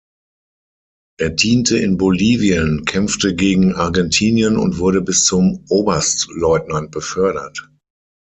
Er diente in Bolivien, kämpfte gegen Argentinien und wurde bis zum Oberstleutnant befördert.